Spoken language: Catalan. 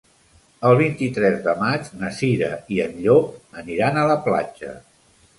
El vint-i-tres de maig na Cira i en Llop aniran a la platja.